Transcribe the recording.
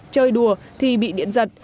chơi đùa thì bị điện giật